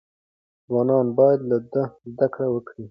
ځوانان باید له ده زده کړه وکړي.